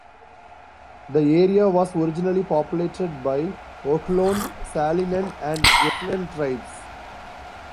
The area was originally populated by Ohlone, Salinan and Esselen tribes.